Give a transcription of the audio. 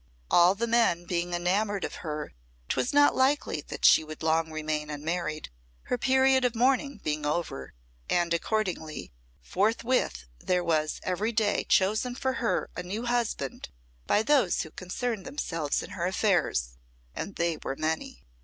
All the men being enamoured of her, 'twas not likely that she would long remain unmarried, her period of mourning being over; and, accordingly, forthwith there was every day chosen for her a new husband by those who concerned themselves in her affairs, and they were many.